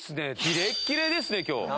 キレッキレですね今日。